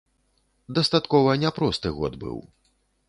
Дастаткова няпросты год быў.